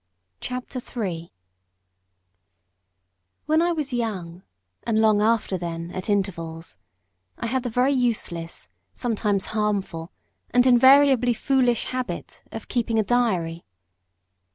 CHAPTER III When I was young, and long after then, at intervals, I had the very useless, sometimes harmful, and invariably foolish habit of keeping a diary.